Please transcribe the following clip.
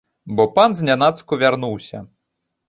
Бо пан знянацку вярнуўся.